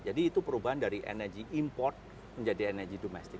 jadi itu perubahan dari energi import menjadi energi domestik